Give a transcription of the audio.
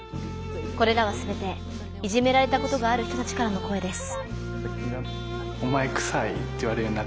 これらはすべていじめられたことがある人たちからの声です。